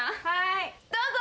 はい！